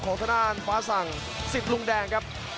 ของข้างด้านฟ้าสั่งสิบลุงแดงครับ